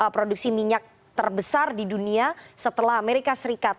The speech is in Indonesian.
produksi minyak terbesar di dunia setelah amerika serikat